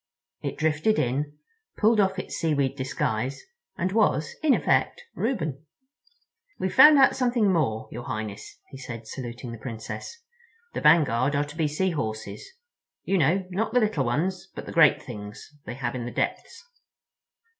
It drifted in, pulled off its seaweed disguise, and was, in effect, Reuben. "We've found out something more, your Highness," he said, saluting the Princess. "The vanguard are to be Sea Horses; you know, not the little ones, but the great things they have in the depths."